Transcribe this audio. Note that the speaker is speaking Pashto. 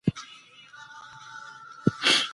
ـ يوه ګوته ځانته نه نيسي، مګر څلور ګوتې نورو ته.